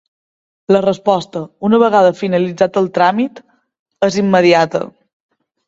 La resposta, una vegada finalitzat el tràmit, és immediata.